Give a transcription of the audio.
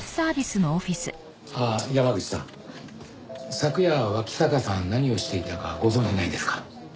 昨夜脇坂さん何をしていたかご存じないですか？